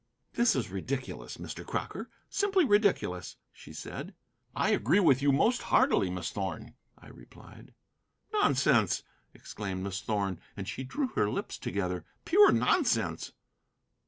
"This is ridiculous, Mr. Crocker, simply ridiculous," said she. "I agree with you most heartily, Miss Thorn," I replied. "Nonsense!" exclaimed Miss Thorn, and she drew her lips together, "pure nonsense!"